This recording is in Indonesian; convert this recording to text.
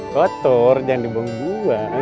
kotor jangan dibuang buang